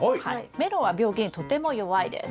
メロンは病気にとても弱いです。